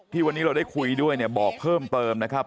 วันนี้เราได้คุยด้วยเนี่ยบอกเพิ่มเติมนะครับ